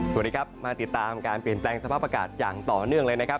สวัสดีครับมาติดตามการเปลี่ยนแปลงสภาพอากาศอย่างต่อเนื่องเลยนะครับ